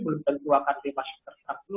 belum tentu akan terima terserang flu